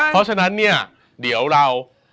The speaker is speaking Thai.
เพราะฉะนั้นเนี่ยเดี๋ยวเรา